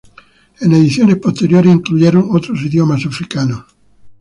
En ediciones posteriores incluyeron otros idiomas africanos.